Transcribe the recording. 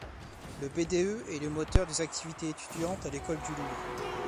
Le BdE est le moteur des activités étudiantes à l’École du Louvre.